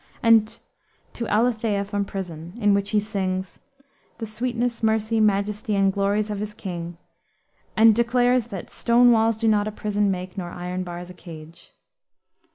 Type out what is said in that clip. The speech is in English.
and To Althaea from Prison, in which he sings "the sweetness, mercy, majesty, and glories of his king," and declares that "stone walls do not a prison make, nor iron bars a cage."